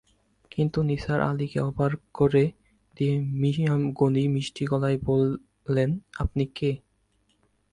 কিন্তু নিসার আলিকে অবাক করে দিয়ে মিয়া গনি মিষ্টি গলায় বললেন, আপনি কে?